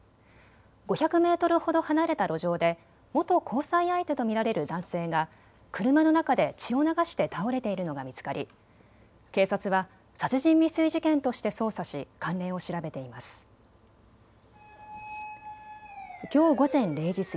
５００メートルほど離れた路上で元交際相手と見られる男性が車の中で血を流して倒れているのが見つかり、警察は殺人未遂事件として捜査し関連を調べています。